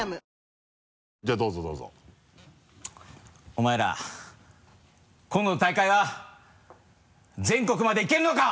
「お前ら今度の大会は全国までいけるのか？」